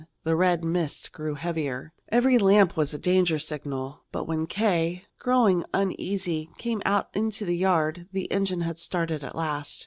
The red mist grew heavier. Every lamp was a danger signal. But when K., growing uneasy, came out into the yard, the engine had started at last.